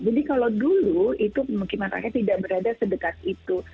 jadi kalau dulu pemukiman rakyat tidak berada sedekat itu